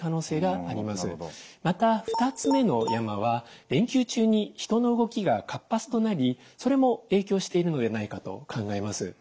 また２つ目の山は連休中に人の動きが活発となりそれも影響しているのでないかと考えます。